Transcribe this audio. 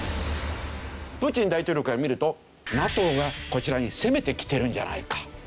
プーチン大統領から見るとＮＡＴＯがこちらに攻めて来てるんじゃないか。